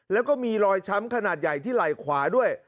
แล้วก็มีรอยช้ำขนาดใหญ่ที่ไหล่ขวาด้วย